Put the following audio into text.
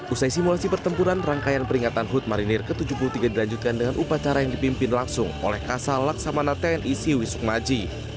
usai simulasi pertempuran rangkaian peringatan hut marinir ke tujuh puluh tiga dilanjutkan dengan upacara yang dipimpin langsung oleh kasal laksamana tni siwi sukmaji